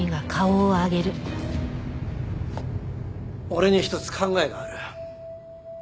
俺に一つ考えがある。